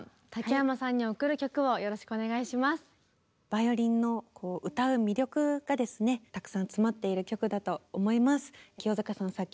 バイオリンの歌う魅力がですねたくさん詰まっている曲だと思います。